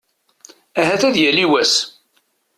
Ahat ad yali wass.